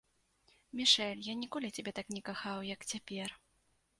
Мішэль, я ніколі цябе так не кахаў, як цяпер.